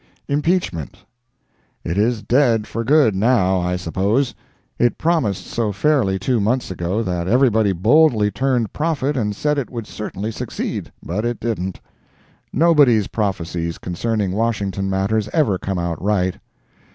IMPEACHMENT. It is dead for good, now, I suppose. It promised so fairly, two months ago, that everybody boldly turned prophet and said it would certainly succeed. But it didn't. Nobody's prophecies concerning Washington matters ever come out right.